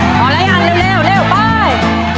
หมดแล้วยังเร็วเร็วเร็วไป